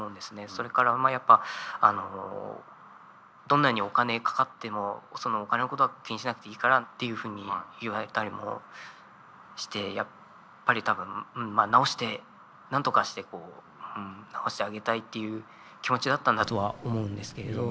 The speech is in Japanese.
それからやっぱどんなにお金かかってもお金のことは気にしなくていいからっていうふうに言われたりもしてやっぱり多分治してなんとかして治してあげたいっていう気持ちだったんだとは思うんですけれど。